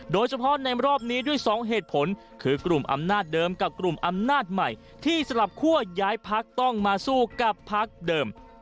โดยเฉพาะในรอบนี้ด้วย๒เหตุผลคือกลุ่มอำนาจเดิมกับกลุ่มอำนาจใหม่ที่สลับคั่วย้ายพักต้องมาสู้กับพักเดิม